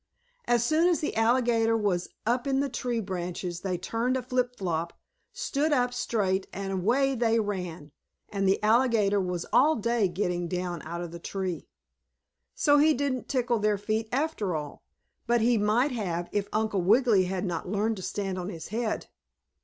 As soon as the alligator was up in the tree branches they turned a flip flop, stood up straight and away they ran, and the alligator was all day getting down out of the tree. So he didn't tickle their feet after all, but he might have if Uncle Wiggily had not learned to stand on his head.